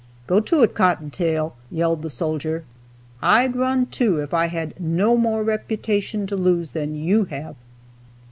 "Go it, cotton tail!" yelled the soldier. "I'd run too if I had no more reputation to lose than you have."